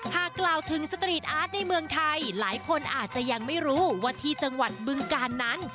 กล่าวถึงสตรีทอาร์ตในเมืองไทยหลายคนอาจจะยังไม่รู้ว่าที่จังหวัดบึงกาลนั้น